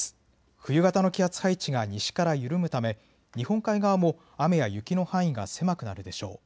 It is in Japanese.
冬型の気圧配置が西から緩むため日本海側も雨や雪の範囲が狭くなるでしょう。